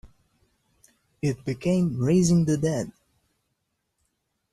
It became "Raising the Dead".